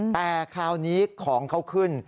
แต่คราวนี้ของเขาขึ้น